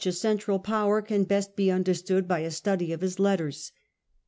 6 HiLDEBRAND central power can best be understood by a study of his letters.